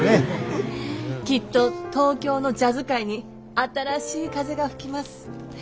きっと東京のジャズ界に新しい風が吹きます。